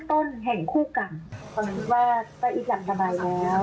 คงถือว่าป้าอีฟหลังสบายแล้ว